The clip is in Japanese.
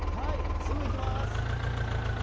すぐ行きます！